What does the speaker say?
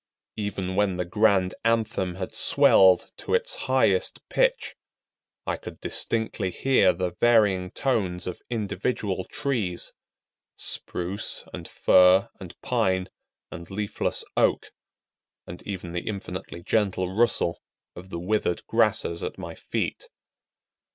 Even when the grand anthem had swelled to its highest pitch, I could distinctly hear the varying tones of individual trees,—Spruce, and Fir, and Pine, and leafless Oak,—and even the infinitely gentle rustle of the withered grasses at my feet.